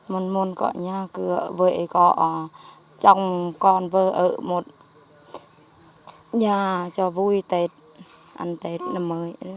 một môn có nhà cửa với có chồng con vợ ở một nhà cho vui tết ăn tết năm mới